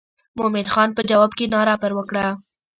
مومن خان په جواب کې ناره پر وکړه.